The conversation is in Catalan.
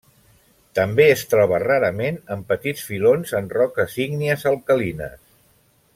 També es troba rarament en petits filons en roques ígnies alcalines.